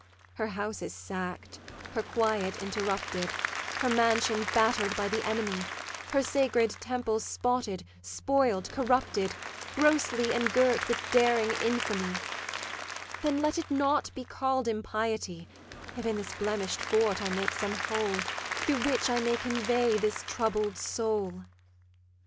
'Her house is sack'd, her quiet interrupted, Her mansion batter'd by the enemy; Her sacred temple spotted, spoil'd, corrupted, Grossly engirt with daring infamy: Then let it not be call'd impiety, If in this blemish'd fort I make some hole Through which I may convey this troubled soul.